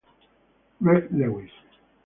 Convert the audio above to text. Reg Lewis